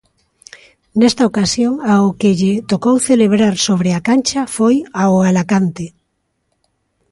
Neste ocasión, ao que lle tocou celebrar sobre a cancha foi ao Alacante.